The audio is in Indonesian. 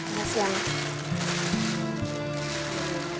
terima kasih anak